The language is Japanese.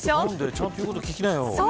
ちゃんということ聞きなよ。